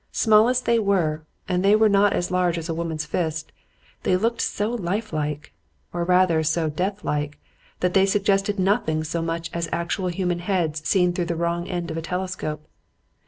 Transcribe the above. Small as they were and they were not as large as a woman's fist they looked so life like or rather, so death like that they suggested nothing so much as actual human heads seen through the wrong end of a telescope.